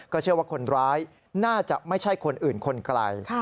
เชื่อว่าคนร้ายน่าจะไม่ใช่คนอื่นคนไกล